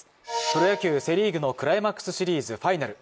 プロ野球、セ・リーグのクライマックスシリーズファイナル。